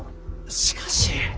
しかし。